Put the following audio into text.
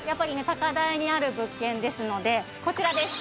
高台にある物件ですのでこちらです